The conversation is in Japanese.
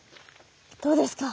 どうですか？